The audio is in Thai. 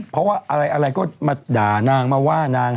เพราะว่าอะไรก็มาด่านางมาว่านาง